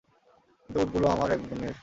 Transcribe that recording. কিন্তু উটগুলো আমার এক বোনের।